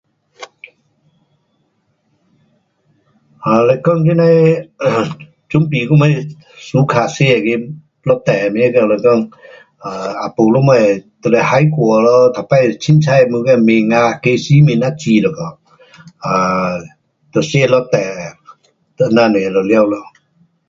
um 嘞讲那样的 um 准备什么 suka 吃那个一顿的东西是讲，um 也没什么，就是海外咯，每次随便么那面啊，鸡丝面那煮一下，um 就吃一顿，等下面就完咯。